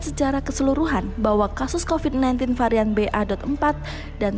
secara keseluruhan bahwa kasus kofit sembilan belas tersebut akan terus berulang dan kemudian kemudian kemudian